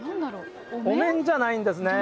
お面じゃないんですね。